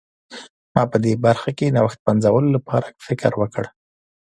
ما په دې برخه کې نوښت پنځولو لپاره فکر وکړ.